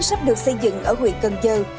sắp được xây dựng ở huyện cần dơ